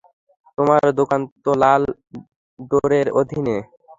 তোমার দোকান তো লাল ডোরের অধীনে।